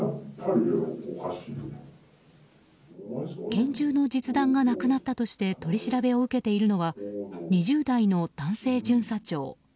拳銃の実弾がなくなったとして取り調べを受けているのは２０代の男性巡査長。